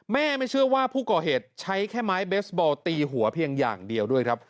ไม่เชื่อว่าผู้ก่อเหตุใช้แค่ไม้เบสบอลตีหัวเพียงอย่างเดียวด้วยครับ